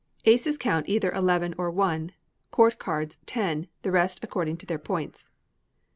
Aces count either eleven or one; court cards, ten; the rest according to their points.